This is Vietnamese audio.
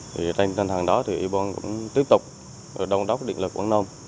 thì trên thẳng đó thì ủy ban cũng tiếp tục đông đốc điện lực quảng nông